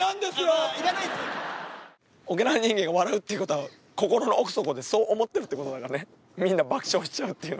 沖縄の人間が笑うってことは心の奥底でそう思ってるってことなんですね、みんな爆笑してたから。